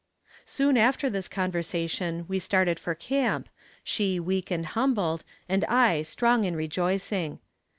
Soon after this conversation we started for camp, she weak and humbled, and I strong and rejoicing.